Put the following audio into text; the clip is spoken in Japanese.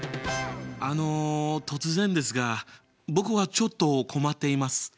あの突然ですが僕はちょっと困っています。